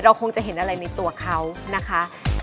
คงจะเห็นอะไรในตัวเขานะคะ